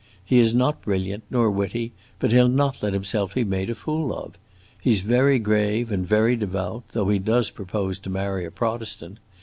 He is not brilliant, nor witty, but he 'll not let himself be made a fool of. He 's very grave and very devout though he does propose to marry a Protestant.